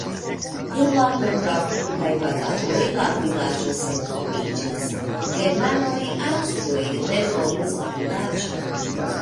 Dum la kontraŭturkaj bataloj la vilaĝo senhomiĝis, germanoj-aŭstroj refondis la vilaĝon.